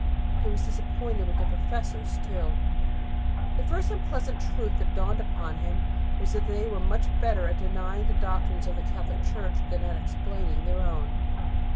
He was disappointed with their professors too. The first unpleasant truth that dawned upon him was that they were much better at denying the doctrines of the Catholic Church than at explaining their own.